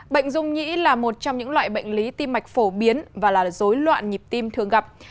bệnh dung nhĩ là một trong những loại bệnh lý tim mạch phổ biến và là dối loạn nhịp tim thường gặp